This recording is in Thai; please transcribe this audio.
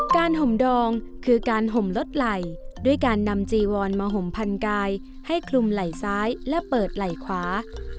ห่มดองคือการห่มลดไหลด้วยการนำจีวอนมาห่มพันกายให้คลุมไหล่ซ้ายและเปิดไหล่ขวา